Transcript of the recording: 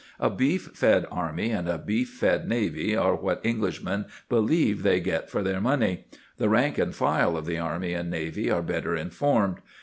A beef fed army and a beef fed navy are what Englishmen believe they get for their money. The rank and file of the army and navy are better informed.